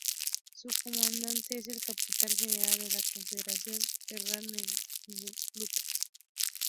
Su comandante es el Capitán General de la Confederación Terran, Edmund Duke.